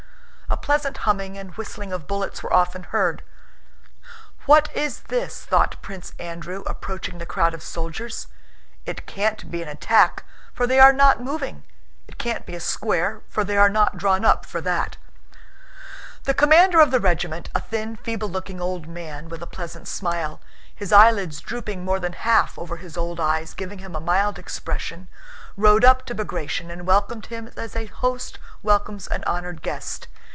A pleasant humming and whistling of bullets were often heard. "What is this?" thought Prince Andrew approaching the crowd of soldiers. "It can't be an attack, for they are not moving; it can't be a square—for they are not drawn up for that." The commander of the regiment, a thin, feeble looking old man with a pleasant smile—his eyelids drooping more than half over his old eyes, giving him a mild expression, rode up to Bagratión and welcomed him as a host welcomes an honored guest.